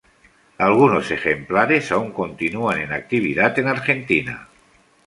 Algunos ejemplares aún continúan en actividad en Argentina.